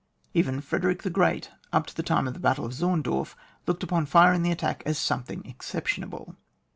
Even Frederick the Great, up to the time of the battle of Zomdorf, looked upon fire in the attack as something ex ceptionable.